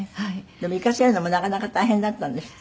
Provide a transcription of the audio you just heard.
でも行かせるのもなかなか大変だったんですって？